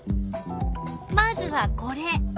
まずはこれ。